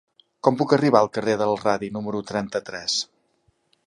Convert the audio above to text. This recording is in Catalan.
Com puc arribar al carrer del Radi número trenta-tres?